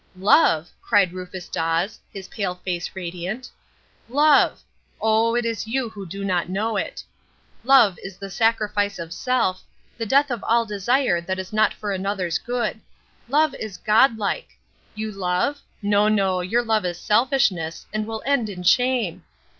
"Love!" cried Rufus Dawes, his pale face radiant. "Love! Oh, it is you who do not know it. Love is the sacrifice of self, the death of all desire that is not for another's good. Love is Godlike! You love? no, no, your love is selfishness, and will end in shame!